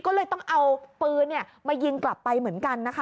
ก็เลยต้องเอาปืนมายิงกลับไปเหมือนกันนะคะ